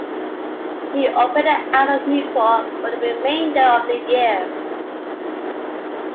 She operated out of Newport for the remainder of the year.